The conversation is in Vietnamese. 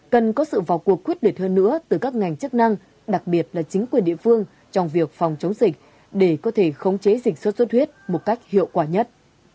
cần có sự vào cuộc quyết định hơn nữa từ các ngành chức năng đặc biệt là chính quyền địa phương trong việc phòng chống dịch để có thể khống chế dịch xuất xuất huyết một cách hiệu quả nhất